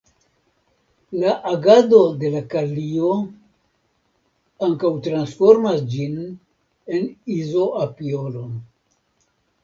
La agado de la kalio ankaŭ transformas ĝin en izoapiolon.